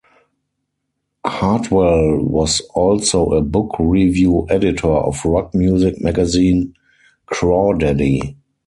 Hartwell was also a book review editor of rock music magazine Crawdaddy!